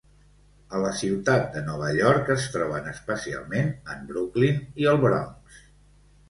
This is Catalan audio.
A la ciutat de Nova York es troben especialment en Brooklyn i el Bronx.